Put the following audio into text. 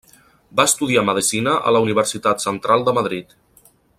Va estudiar medicina en la Universitat Central de Madrid.